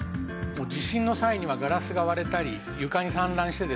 地震の際にはガラスが割れたり床に散乱してですね